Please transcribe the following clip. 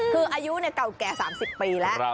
คืออายุเก่าแก่๓๐ปีแล้ว